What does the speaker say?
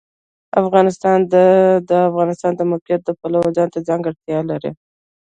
افغانستان د د افغانستان د موقعیت د پلوه ځانته ځانګړتیا لري.